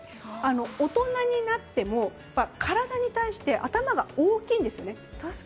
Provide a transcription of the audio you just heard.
大人になっても体に対して頭が大きいんですね。